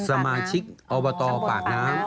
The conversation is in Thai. สมาชิกอบตปากน้ำ